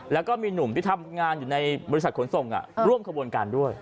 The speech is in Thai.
แล้วก็มีหนุ่มที่ทำงานอยู่ในบริษัทขนส่งร่วมขบวนการด้วย